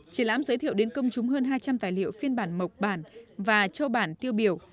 triển lãm giới thiệu đến công chúng hơn hai trăm linh tài liệu phiên bản mộc bản và châu bản tiêu biểu